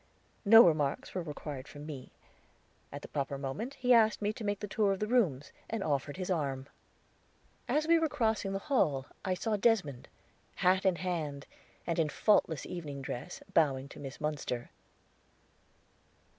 No remarks were required from me. At the proper moment he asked me to make the tour of the rooms, and offered his arm. As we were crossing the hall, I saw Desmond, hat in hand, and in faultless evening dress, bowing to Miss Munster.